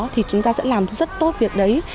thì chúng ta sẽ làm rất tốt việc đấy